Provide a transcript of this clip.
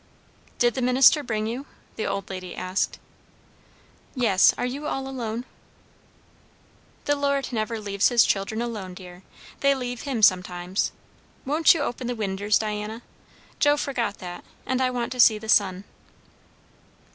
"Did the minister bring you?" the old lady asked. "Yes. Are you all alone?" "The Lord never leaves his children alone, dear. They leave him sometimes. Won't you open the winders, Diana. Joe forgot that, and I want to see the sun."